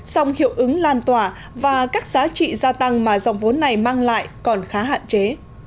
song hiệu ứng lan tỏa và các giá trị gia tăng mà dòng vốn này mang lại còn khá hạn chế